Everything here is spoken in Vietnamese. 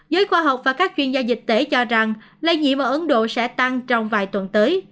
giới khoa học và các chuyên gia dịch tễ cho rằng lây nhiễm vào ấn độ sẽ tăng trong vài tuần tới